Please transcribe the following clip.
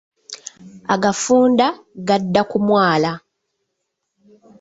Agafunda, gadda ku mwala.